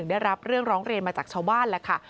ได้รับเรื่องร้องเรียนมาจากชาวบ้านแล้วค่ะ